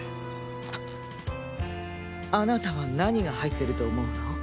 あっあなたは何が入ってると思うの？